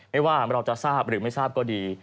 ไม่ว่าเราจะทราบหรือไม่ทราบก็ดี